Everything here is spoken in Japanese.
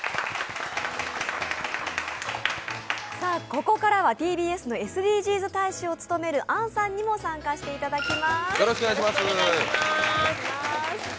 ここからはＴＢＳのＳＤＧｓ大使を務める杏さんにも参加していただきます。